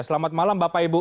selamat malam bapak ibu